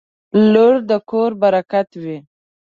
• لور د کور برکت وي.